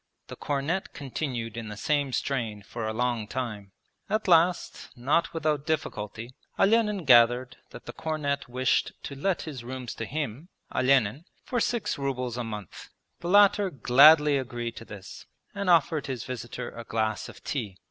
The cornet continued in the same strain for a long time. At last, not without difficulty, Olenin gathered that the cornet wished to let his rooms to him, Olenin, for six rubles a month. The latter gladly agreed to this, and offered his visitor a glass of tea.